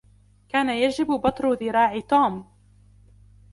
كان يجب بتر ذراع توم.